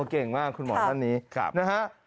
เก่งมากคุณหมอท่าน